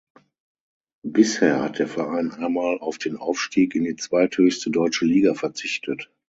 Bisher hat der Verein einmal auf den Aufstieg in die zweithöchste deutsche Liga verzichtet.